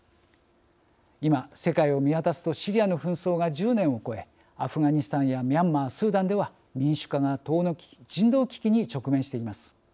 今、世界を見渡すとシリアの紛争が１０年を超えアフガニスタンやミャンマースーダンでは民主化が遠のき人道危機に直面しています。